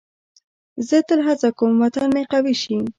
زه تل هڅه کوم وطن مې قوي شي.